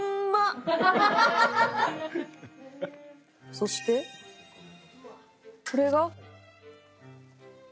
そしてこれが。